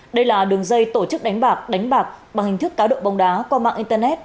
đây là đường dây tổ chức đánh bạc đánh bạc bằng hình thức cá độ bóng đá qua mạng internet